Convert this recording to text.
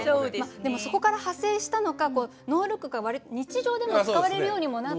でもそこから派生したのかノールックが割と日常でも使われるようにもなって。